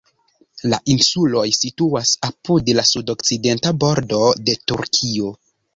La insuloj situas apud la sudokcidenta bordo de Turkio.